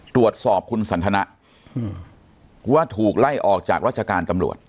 ตรวจสอบคุณสันทนะว่าถูกไล่ออกจากราชการตำรวจ